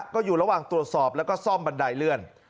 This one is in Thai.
ก็อยู่ระหว่างตรวจสอบแล้วก็ซ่อมบันไดเลื่อน